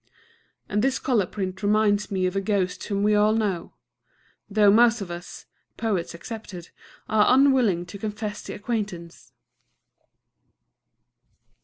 And this color print reminds me of a ghost whom we all know, though most of us (poets excepted) are unwilling to confess the acquaintance.